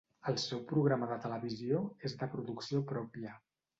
El seu programa de televisió és de producció pròpia.